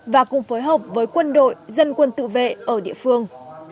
và cùng phối hợp với quân đội dân quân tự vệ ở địa phương